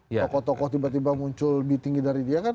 tokoh tokoh tiba tiba muncul lebih tinggi dari dia kan